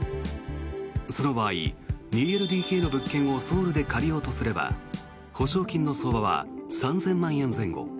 その場合、２ＬＤＫの物件をソウルで借りようとすれば保証金の相場は３０００万円前後。